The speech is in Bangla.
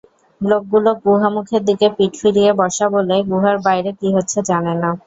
লোকগুলো গুহামুখের দিকে পিঠ ফিরিয়ে বসা বলে, গুহার বাইরে কী হচ্ছে জানে না।